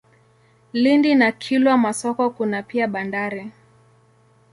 Lindi na Kilwa Masoko kuna pia bandari.